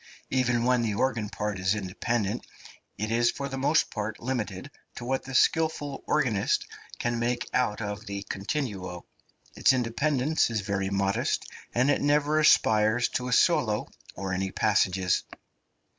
Even when the organ part is independent it is for the most part limited to what the skilful organist can make out of the continuo; its independence is very modest, and it never aspires to a solo or any passages.